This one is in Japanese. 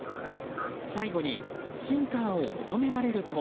最後にシンカーを求められると。